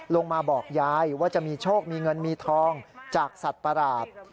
มาบอกยายว่าจะมีโชคมีเงินมีทองจากสัตว์ประหลาด